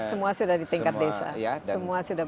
semua sudah di tingkat desa semua sudah